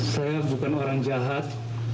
saya bukan orang jahat